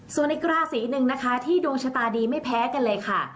ส่วนอีกราศีหนึ่งนะคะที่ดวงชะตาดีไม่แพ้กันเลยค่ะ